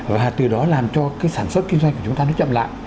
và từ đó làm cho cái sản xuất kinh doanh của chúng ta nó chậm lại